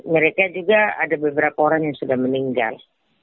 mereka juga ada beberapa orang yang sudah meninggal